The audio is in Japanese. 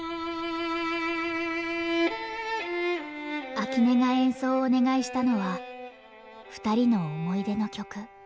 秋音が演奏をお願いしたのは２人の思い出の曲。